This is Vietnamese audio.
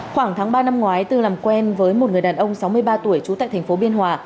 khoảng tháng ba năm ngoái tư làm quen với một người đàn ông sáu mươi ba tuổi trú tại thành phố biên hòa